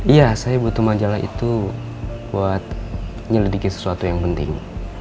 iya saya butuh majalah itu buat nyelidiki sesuatu yang penting